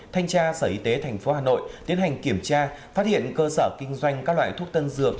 thanh tra sở y tế tp hà nội tiến hành kiểm tra phát hiện cơ sở kinh doanh các loại thuốc tân dược